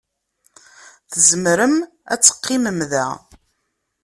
Tzemrem ad teqqimem da.